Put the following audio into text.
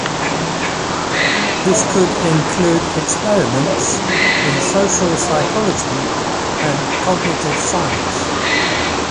This could include experiments in social psychology and cognitive science.